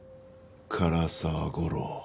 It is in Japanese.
唐沢吾郎。